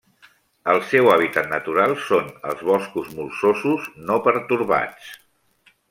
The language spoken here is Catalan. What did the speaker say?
El seu hàbitat natural són els boscos molsosos no pertorbats.